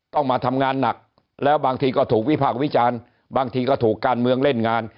ต้องมาทำงานหนักแล้วบางทีก็ถูกวิพากษ์วิจารณ์บางทีก็ถูกการเมืองเล่นงาน